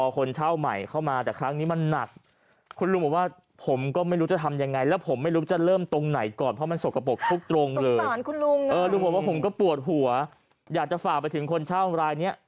พอคนเช่าใหม่เข้ามาแต่ครั้งนี้มันนักคุณลุงบอกว่าผมก็ไม่รู้จะทำยังไงแล้วผมไม่รู้จะเริ่มตรงไหนก่อนเพราะมันสกปรกทุกตรงเลย